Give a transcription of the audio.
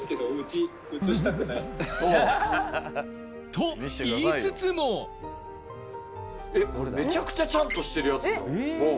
と言いつつもえっこれめちゃくちゃちゃんとしてるやつじゃん。